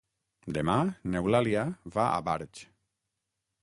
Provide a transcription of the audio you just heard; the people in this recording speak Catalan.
Demà n'Eulàlia va a Barx.